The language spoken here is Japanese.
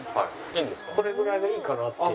これぐらいがいいかなっていう。